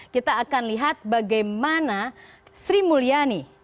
kita akan lihat bagaimana sri mulyani